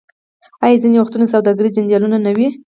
آیا ځینې وختونه سوداګریز جنجالونه نه وي؟